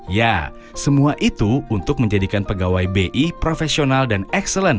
ya semua itu untuk menjadikan pegawai bi profesional dan ekselen